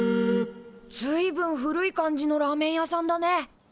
ずいぶん古い感じのラーメン屋さんだね。